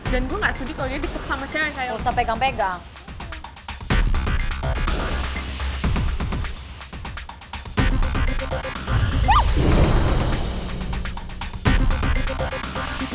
dan gue gak sudi kalo dia dikep sama cewek kayak